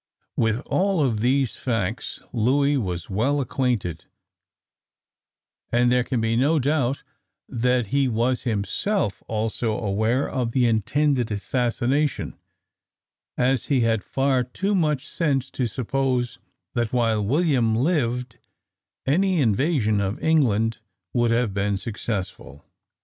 With all of these facts Louis was well acquainted, and there can be no doubt that he was himself also aware of the intended assassination, as he had far too much sense to suppose that while William lived any invasion of England would have been successful.